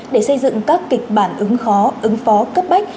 để xây dựng các kịch bản ứng khó ứng phó cấp bách